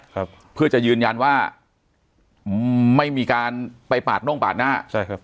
ครับเพื่อจะยืนยันว่าอืมไม่มีการไปปาดน่งปาดหน้าใช่ครับ